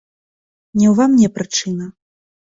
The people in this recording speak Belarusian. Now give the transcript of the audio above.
Не ўва мне прычына.